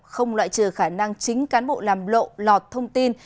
không loại trừ khả năng chính cán bộ làm lộ lọt thông tin